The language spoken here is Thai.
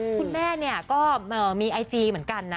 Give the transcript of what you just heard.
คุณแม่เนี่ยก็มีไอจีเหมือนกันนะ